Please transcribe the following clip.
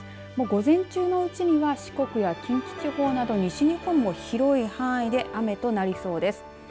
午前中のうちには四国や近畿地方など西日本も広い範囲で雨となりそうです。